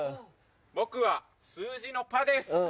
僕は数字の「８」です。